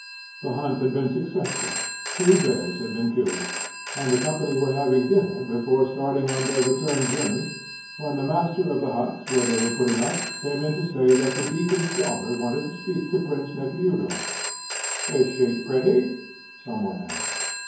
The hunt had been successful; two bears had been killed; and the company were having dinner before starting on their return journey, when the master of the hut where they were putting up came in to say that the deacon's daughter wanted to speak to Prince Nekhludoff. "Is she pretty?" some one asked.